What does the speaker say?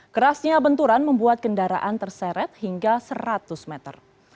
kerasnya benturan membuat kendaraan terseret hingga seratus meter